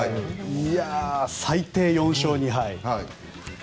最低４勝２敗。